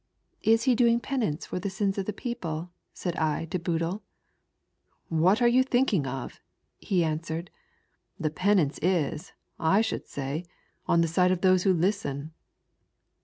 "Is he doing penance for the sins of the people ?'* said I to Boodle. '* What are you thinking of?'* he answered, "the penance is, I should say, on the side of those who listen.''